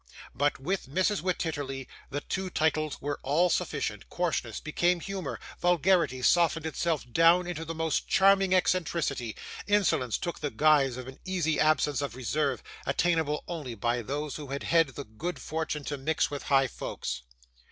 But with Mrs. Wititterly the two titles were all sufficient; coarseness became humour, vulgarity softened itself down into the most charming eccentricity; insolence took the guise of an easy absence of reserve, attainable only by those who had had the good fortune to mix with high folks.